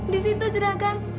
di situ jiragan